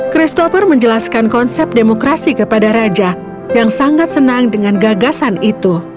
christopher menjelaskan konsep demokrasi kepada raja yang sangat senang dengan gagasan itu